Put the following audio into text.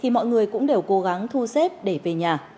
mọi người cũng đều cố gắng thu xếp để về nhà